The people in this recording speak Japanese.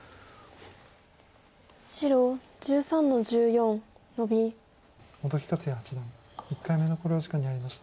本木克弥八段１回目の考慮時間に入りました。